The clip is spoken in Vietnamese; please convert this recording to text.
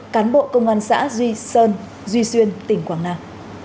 cán bộ công an xã duy sơn duy xuyên tỉnh quảng nam